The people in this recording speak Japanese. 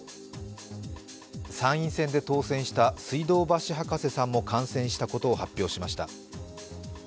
参院選で当選した水道橋博士さんも感染したことを発表しました。